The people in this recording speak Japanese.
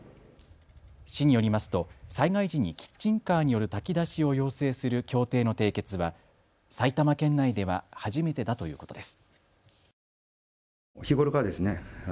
市によりますと災害時にキッチンカーによる炊き出しを要請する協定の締結は埼玉県内では初めてだということです。